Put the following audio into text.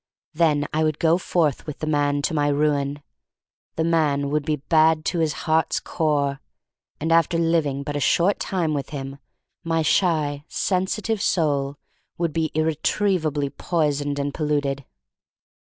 Then I would go forth with the man to my ruin. The man would be bad to his heart's core. And after living but a short time with him my shy, sensitive soul would be irretrievably poisoned and polluted.